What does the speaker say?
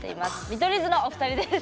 見取り図のお二人です。